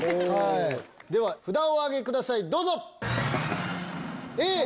では札をお挙げくださいどうぞ！